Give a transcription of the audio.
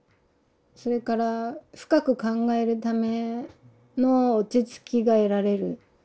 それから深く考えるための落ち着きが得られる。